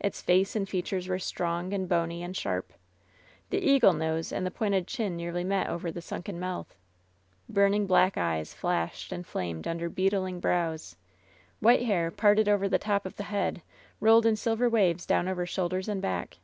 Its face and features were strong and bony and LOVE'S BITTEREST CUP 271 sharp. The eagle nose and the pointed chin nearly met over the sunken mouth. Burning black eyes flashed and flamed under beetling brows. White hair, parted over the top of the head, rolled in silver waves down over shoulders and back.